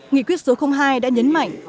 nghị quyết số hai đã nhấn mạnh